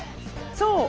そう！